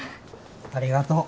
ありがとう。